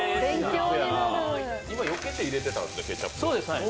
今よけて入れてたんですね、ケチャップ。